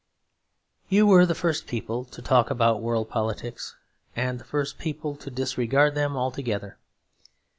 You were the first people to talk about World Politics; and the first people to disregard them altogether.